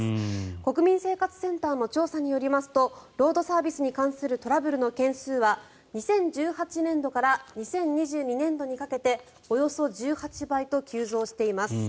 国民生活センターの調査によりますとロードサービスに関するトラブルの件数は２０１８年度から２０２２年度にかけておよそ１８倍と急増しています。